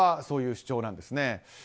そういう主張なんですね。